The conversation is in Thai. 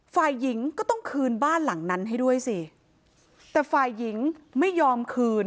ฝ่ายหญิงก็ต้องคืนบ้านหลังนั้นให้ด้วยสิแต่ฝ่ายหญิงไม่ยอมคืน